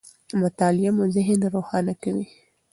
مطالعه مو ذهن روښانه کوي.